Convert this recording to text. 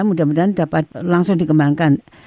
kemudian dapat langsung dikembangkan